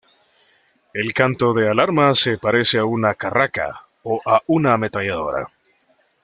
El canto de alarma se parece a una carraca o a una ametralladora.